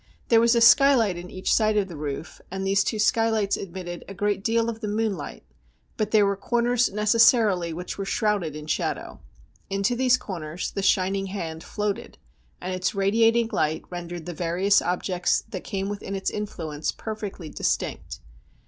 There was a skylight in each side of the roof, and these two skylights admitted a great deal of the moonlight, but there were corners necessarily which were shrouded in shadow. Into these corners the shining hand floated, and its radiating light rendered the various objects that came within its influence perfectly distinct.